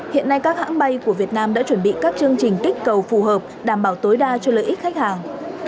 hiện nay các hãng bay của việt nam đã chuẩn bị các chương trình kích cầu phù hợp đảm bảo tối đa cho lợi ích khách hàng